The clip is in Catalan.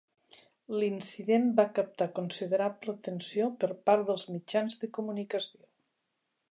L'incident va captar considerable atenció per part dels mitjans de comunicació.